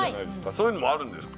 そういうのもあるんですか？